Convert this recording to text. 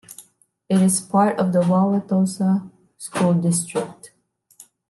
It is part of the Wauwatosa School District.